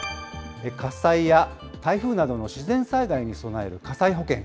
火災や台風などの自然災害に備える火災保険。